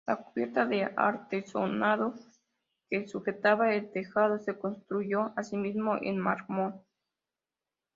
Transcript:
La cubierta de artesonado que sujetaba el tejado se construyó asimismo en mármol.